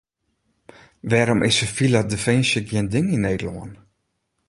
Wêrom is sivile definsje gjin ding yn Nederlân?